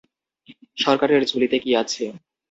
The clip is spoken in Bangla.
সরকারের ঝুলিতে কী আছে?